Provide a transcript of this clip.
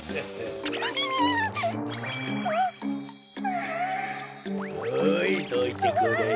はいどいてくれる？